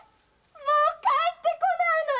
もう帰って来ないのよ。